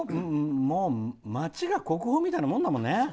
町が国宝みたいなもんだもんね。